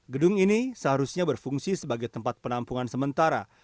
gedung ini seharusnya berfungsi sebagai tempat penampungan sementara